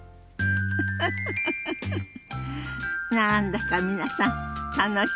フフフ何だか皆さん楽しそうね。